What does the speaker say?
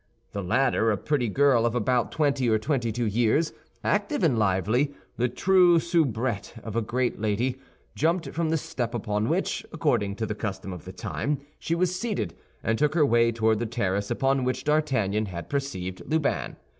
The latter—a pretty girl of about twenty or twenty two years, active and lively, the true soubrette of a great lady—jumped from the step upon which, according to the custom of the time, she was seated, and took her way toward the terrace upon which D'Artagnan had perceived Lubin.